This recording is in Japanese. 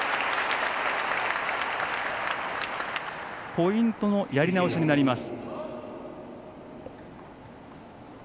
ポイントのやり直しになります。